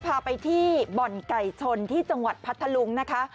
พาไปที่บ่อนไก่ชนที่จังหวัดพัทธลุงนะคะ